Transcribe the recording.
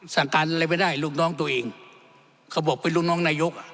สั่งการอะไรไม่ได้ลูกน้องตัวเองเขาบอกเป็นลูกน้องนายก